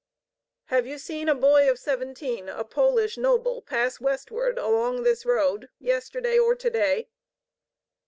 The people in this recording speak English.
"Have you seen a boy of seventeen, a Polish noble, pass westward along this road yesterday or today?"